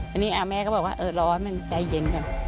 อันนี้แม่ก็บอกว่าเออร้อนมันใจเย็นก่อน